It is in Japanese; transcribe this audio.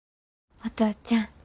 お父ちゃん。